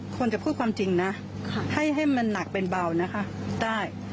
ควรจะพูดความจริงนะให้มันหนักเป็นเบานะคะได้